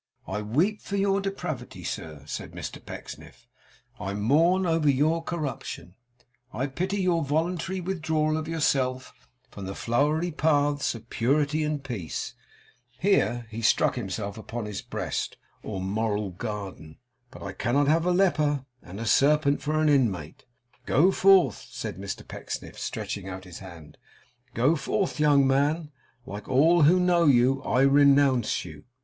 I weep for your depravity, sir,' said Mr Pecksniff; 'I mourn over your corruption, I pity your voluntary withdrawal of yourself from the flowery paths of purity and peace;' here he struck himself upon his breast, or moral garden; 'but I cannot have a leper and a serpent for an inmate. Go forth,' said Mr Pecksniff, stretching out his hand: 'go forth, young man! Like all who know you, I renounce you!